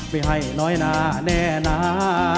ไม่ให้น้อยนาแน่นา